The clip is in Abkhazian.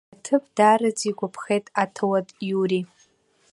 Ари аҭыԥ даараӡа игәаԥхеит аҭауад Иури.